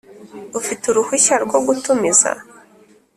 Ufite uruhushya rwo gutumiza